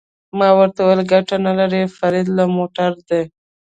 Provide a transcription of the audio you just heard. ما ورته وویل: ګټه نه لري، فرید له موټره دې.